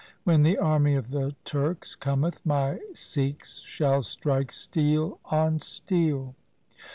When the army of the Turks cometh, my Sikhs shall strike steel on steel.